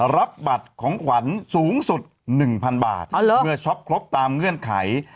รับบัตรของขวัญสูงสุด๑๐๐๐บาทเมื่อช็อปครบตามเงื่อนไข